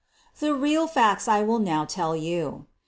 The real facts I will now tell you.